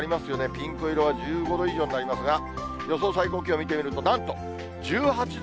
ピンク色は１５度以上になりますが、予想最高気温見てみると、なんと１８度。